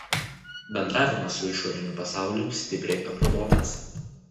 Bendravimas su išoriniu pasauliu stipriai apribotas.